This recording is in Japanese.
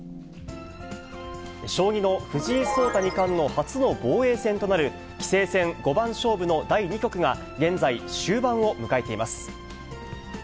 将棋の藤井聡太二冠の初の防衛戦となる、棋聖戦五番勝負の第２局が現在、終盤を迎えています。